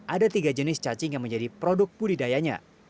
ada tiga jenis cacing yang menjadi produk budidayanya